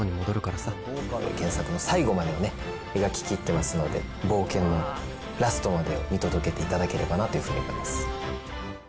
原作の最後までを描ききってますので、冒険のラストまでを見届けていただけたらなというふうに思います